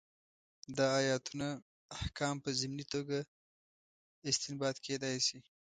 دا ایتونه احکام په ضمني توګه استنباط کېدای شي.